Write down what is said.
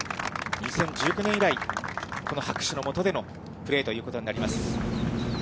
２０１９年以来、この拍手のもとでのプレーということになります。